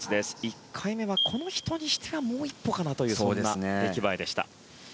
１回目はこの人にしてはもう一歩かという出来栄え。